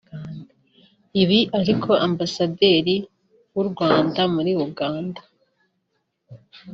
Ibi ariko Ambasaderi w’u Rwanda muri Uganda